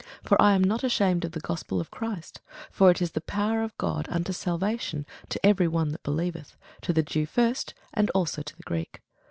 For I am not ashamed of the gospel of Christ: for it is the power of God unto salvation to every one that believeth; to the Jew first, and also to the Greek.